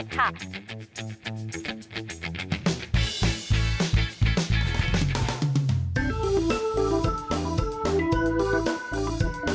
ค่ะ